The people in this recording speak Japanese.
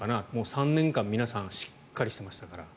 ３年間、皆さんしっかりしていましたから。